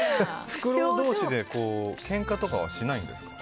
フクロウ同士でけんかとかはしないんですか？